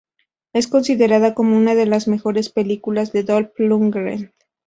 Es considerada como una de las mejores películas de Dolph Lundgren.